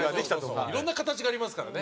いろんな形がありますからね。